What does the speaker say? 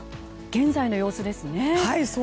現在の様子ですね。